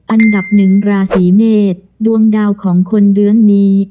อันดับหนึ่งราศีเมษดวงดาวของคนเรื่องนี้